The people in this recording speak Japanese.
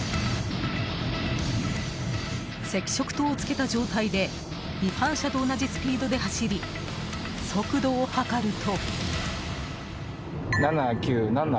赤色灯をつけた状態で違反車と同じスピードで走り速度を測ると。